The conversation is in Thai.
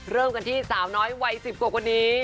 เริ่มกันที่สาวน้อยวัย๑๐กว่าคนนี้